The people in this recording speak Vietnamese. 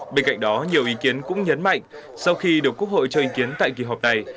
bên cạnh đó nhiều ý kiến cũng nhấn mạnh sau khi được quốc hội cho ý kiến tại kỳ họp này